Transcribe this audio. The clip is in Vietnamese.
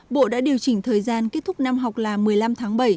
bộ đã điều chỉnh thời gian kết thúc năm học là một mươi năm tháng bảy